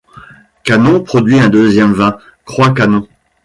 Canon produit un deuxième vin, Croix Canon.